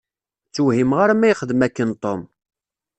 Ur ttuhumeɣ ara ma ixdem akken Tom.